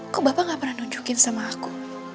kok bapak gak pernah nunjukin sama aku